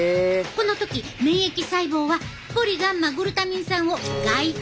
この時免疫細胞はポリガンマグルタミン酸を外敵として覚える。